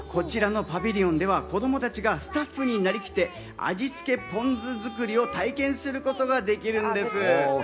こちらのパビリオンでは子供たちがスタッフになりきって、味付けぽん酢作りを体験することができるんです。